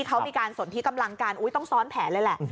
เขามีการสนที่กำลังกันต้องซ้อนแผนเลยแหละ